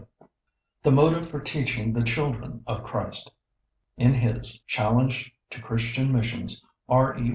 [Sidenote: The motive for teaching the children of Christ.] In his "Challenge to Christian Missions," R. E.